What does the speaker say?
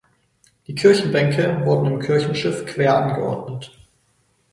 Die Kirchenbänke wurden im Kirchenschiff quer angeordnet.